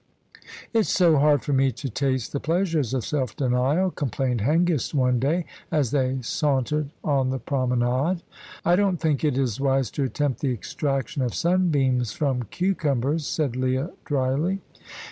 "It's so hard for me to taste the pleasures of self denial," complained Hengist, one day, as they sauntered on the promenade. "I don't think it is wise to attempt the extraction of sunbeams from cucumbers," said Leah, dryly.